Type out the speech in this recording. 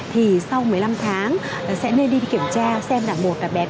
thì sau một mươi năm tháng sẽ nên đi kiểm tra xem là một cái vaccine